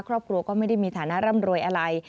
ครอบครัวก็ไม่ได้มีฐานะร่ำรวยอะไร